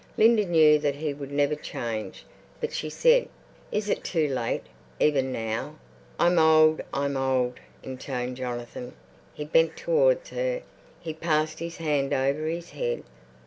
Linda knew that he would never change, but she said, "Is it too late, even now?" "I'm old—I'm old," intoned Jonathan. He bent towards her, he passed his hand over his head.